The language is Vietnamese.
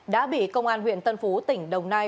đã bị công an huyện tân phú tỉnh đồng nai